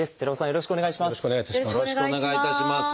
よろしくお願いします。